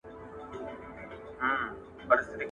پاڼه تر نورو ټولو پاڼو ډېره لوړه وه.